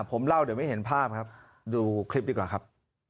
ผมเล่าเดี๋ยวไม่เห็นภาพครับดูคลิปดีกว่าครับ